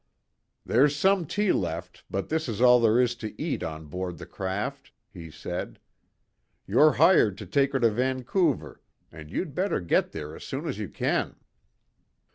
"There's some tea left, but this is all there is to eat on board the craft," he said. "You're hired to take her to Vancouver and you'd better get there as soon as you can."